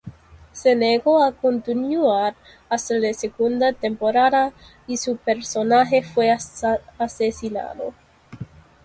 Se negó a continuar hasta la segunda temporada y su personaje fue asesinado.